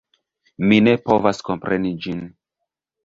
Mi ne povas kompreni ĝin!